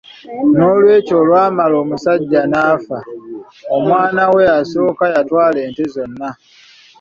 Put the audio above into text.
N'olwekyo, olwamala omusajja n'afa, omwana we asooka yatwala ente zonna.